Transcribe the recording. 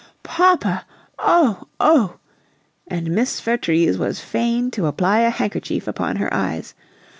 "Papa! Oh, oh!" And Miss Vertrees was fain to apply a handkerchief upon her eyes.